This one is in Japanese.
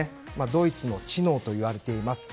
ドイツの知能と言われています。